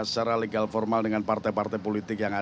selamat cere trinyanya